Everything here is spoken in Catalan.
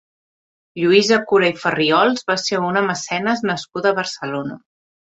Lluïsa Cura i Farriols va ser una mecenes nascuda a Barcelona.